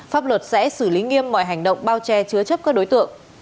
pháp luật sẽ xử lý nghiêm mọi hành động bao che chứa chấp các đối tượng